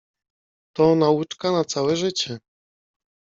"To nauczka na całe życie."